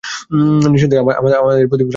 নিঃসন্দেহে আমার প্রতিপালক সরল পথে আছেন।